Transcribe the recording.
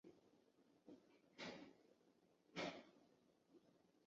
然而此举反而导致被逼往反国民党方向的蔡介雄与苏南成联合造势。